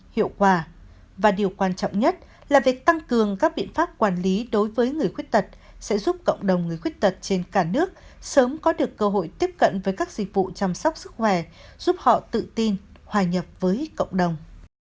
hiệu quả và điều quan trọng nhất là việc tăng cường các biện pháp quản lý đối với người khuyết tật sẽ giúp cộng đồng người khuyết tật trên cả nước sớm có được cơ hội tiếp cận với các dịch vụ chăm sóc sức khỏe giúp họ tự tin hòa nhập với cộng đồng